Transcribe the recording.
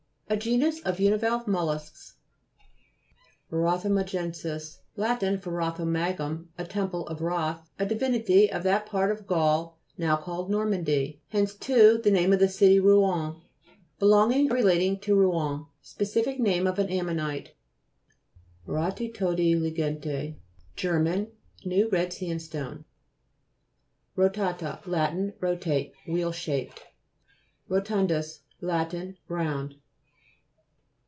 A genus of univalve mollusks (p. 85). ROTHOMAGE'NSIS Lat. from rotho ma'gum, a temple of Roth, a di vinity of that part of Gaul, now called Normandy ; hence too the name of the city Rouen. Belong ing or relating to Rouen. Specific name of an ammonite. ROTHE TODTE LIEGENDE Ger. New red sandstone (note, p. 47). ROTA'TA Lat. Rotate; wheel shaped. ROTU'NDUS Lat. Round.